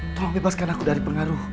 tolong bebaskan aku dari pengaruh